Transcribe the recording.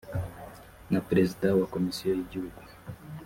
na perezida wa komisiyo y igihugu